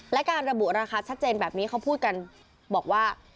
และการระบุราคาชัดเจนแบบนี้เขาพูดกันบอกว่า